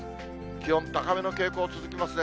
気温高めの傾向続きますね。